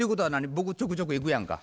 僕ちょくちょく行くやんか。